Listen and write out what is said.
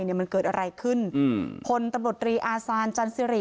เนี่ยมันเกิดอะไรขึ้นอืมพลตำรวจรีอาซานจันสิริ